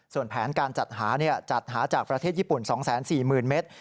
ส่วนแผนการจัดหาจัดหาจากประเทศญี่ปุ่น๒๔๐๐๐เมตร